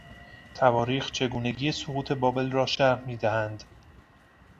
تواریخ چگونگی سقوط بابل را شرح میدهند.